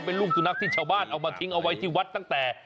เป็นลูกสุนัขที่ชาวบ้านเอามาทิ้งเอาไว้ที่วัดตั้งแต่